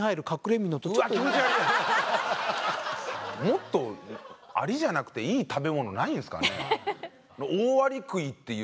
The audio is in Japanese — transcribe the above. もっとアリじゃなくていい食べ物ないんですかね。